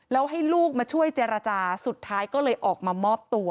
แล้วให้ลูกมาช่วยเจรจาสุดท้ายก็เลยออกมามอบตัว